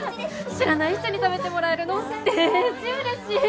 知らない人に食べてもらえるのでーじうれしい。